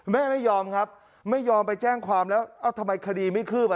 แม่ไม่ยอมครับไม่ยอมไปแจ้งความแล้วเอ้าทำไมคดีไม่คืบ